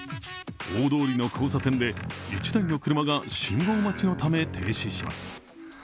大通りの交差点で、１台の車が信号待ちのため停止します。